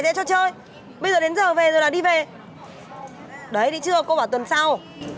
thế thôi đây bây giờ tôi ra tôi gán cho cái cô này